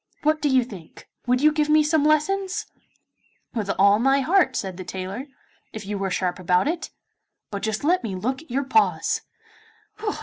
What do you think? Would you give me some lessons?' 'With all my heart,' said the tailor, 'if you are sharp about it. But just let me look at your paws.